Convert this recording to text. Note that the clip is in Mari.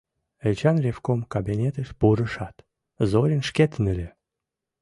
Эчан ревком кабинетыш пурышат, Зорин шкетын ыле.